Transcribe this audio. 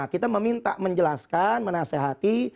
kita meminta menjelaskan menasehati